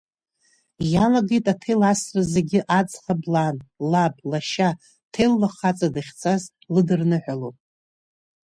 Иалагеит аҭел асра зегьы аӡӷаб лан, лаб, лашьа, ҭелла хаҵа дахьцаз лыдырныҳәалон.